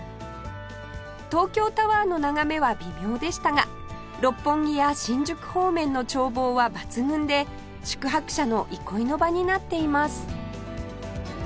東京タワーの眺めは微妙でしたが六本木や新宿方面の眺望は抜群で宿泊者の憩いの場になっています